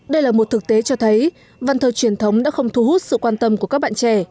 đây là một thực tế cho thấy văn thơ truyền thống đã không thu hút sự quan tâm của các bạn trẻ